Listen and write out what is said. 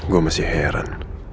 gue masih heran